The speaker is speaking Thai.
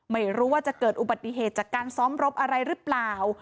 ไม่รู้ว่าจะเกิดอุบัติเหตุจากการซ้อมรบอะไรหรือเปล่า